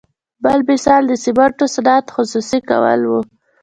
بل مثال د سمنټو صنعت خصوصي کول وو.